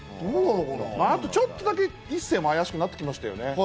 ちょっとだけ一星もあやしくなってきましたよね。